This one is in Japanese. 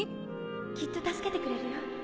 ・きっと助けてくれるよ・・